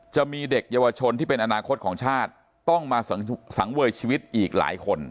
จะมีเด็กเยาวชนที่เป็นอนาคตของชาติต้องมาสังเวยชีวิตอีกหลายคน